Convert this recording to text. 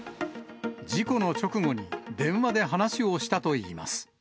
事故の直後に電話で話をしたといいます。